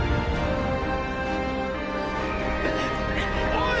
おい！